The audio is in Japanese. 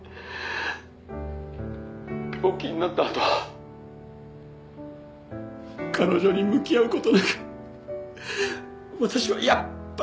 「病気になったあとも彼女に向き合う事なく私はやっぱり逃げていた」